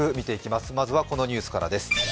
まずは、このニュースからです。